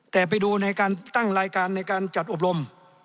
แต่ไปดูในการตั้งรายการในการจัดอบรม